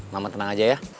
mama tenang aja ya